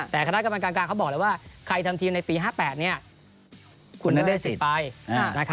แต่คณะกรรมการการเขาบอกแล้วว่าใครทำทีมในปี๕๘คุณนั้นได้สิทธิ์ไป